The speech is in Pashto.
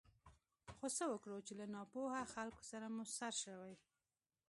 خو څه وکړو چې له ناپوهه خلکو سره مو سر شوی.